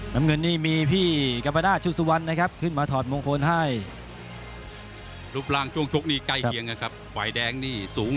น้ำเงินนี่มีพี่กับกะบะดาษชุซุวันนะครับขึ้นมาถอดมงคลให้